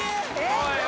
おい